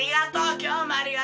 今日もありがとう！